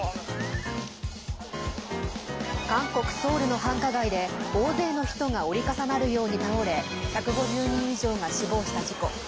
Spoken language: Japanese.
韓国ソウルの繁華街で大勢の人が折り重なるように倒れ１５０人以上が死亡した事故。